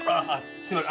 すいません！